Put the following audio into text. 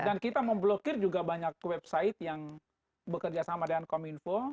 dan kita memblokir juga banyak website yang bekerja sama dengan kominfo